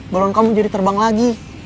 balon kamu jadi terbang lagi